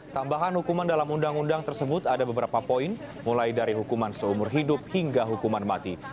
tambahan hukuman dalam undang undang tersebut ada beberapa poin mulai dari hukuman seumur hidup hingga hukuman mati